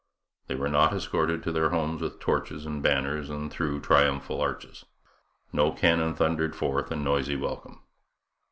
They were not escorted to their homes with torches and banners, and through triumphal arches; no cannon thundered forth a noisy welcome.